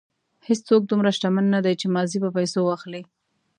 هېڅوک دومره شتمن نه دی چې ماضي په پیسو واخلي.